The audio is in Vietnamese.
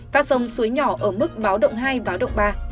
các sông suối nhỏ ở mức báo động hai báo động ba